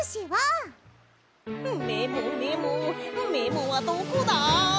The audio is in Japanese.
メモメモメモはどこだ？